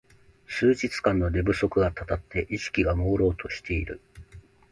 数日間の寝不足がたたって意識がもうろうとしている